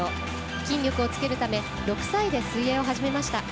筋力をつけるため６歳で水泳を始めました。